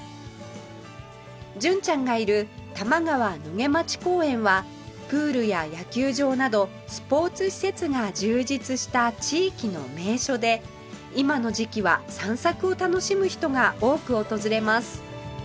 純ちゃんがいる玉川野毛町公園はプールや野球場などスポーツ施設が充実した地域の名所で今の時期は散策を楽しむ人が多く訪れます